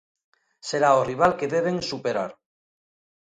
Será o rival que deben superar.